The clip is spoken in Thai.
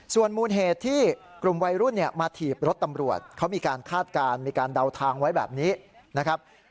ส่วนมูลเหตุที่กลุ่มวัยรุ่นมาถีบรถตำรวจเขามีการคาดการณ์มีการเดาทางไว้แบบนี้นะครับ